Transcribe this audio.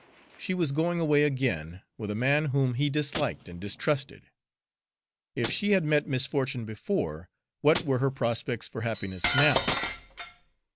She was going away again, with a man whom he disliked and distrusted. If she had met misfortune before, what were her prospects for happiness now?